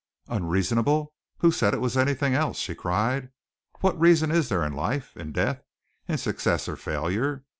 "Unreasonable! Who said it was anything else?" she cried. "What reason is there in life, in death, in success or failure?